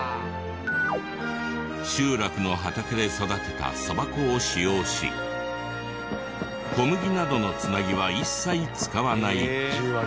集落の畑で育てたそば粉を使用し小麦などの繋ぎは一切使わない。